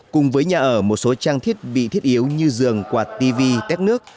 cùng với nhà ở một số trang thiết bị thiết yếu như giường quạt tv tét nước